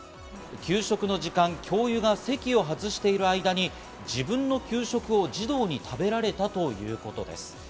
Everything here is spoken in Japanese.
給食の時間、教諭が席を外している間に自分の給食を児童に食べられたということです。